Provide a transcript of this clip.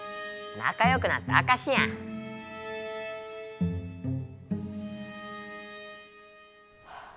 なかよくなったあかしや！ハァ。